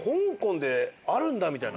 みたいな。